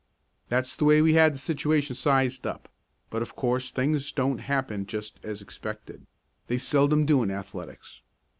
That's the way we had the situation sized up, but of course things don't happen just as expected; they seldom do in athletics.